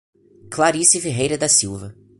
Clarice Ferreira da Silva